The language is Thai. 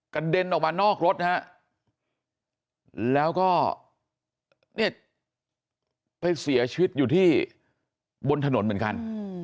เด็นออกมานอกรถนะฮะแล้วก็เนี่ยไปเสียชีวิตอยู่ที่บนถนนเหมือนกัน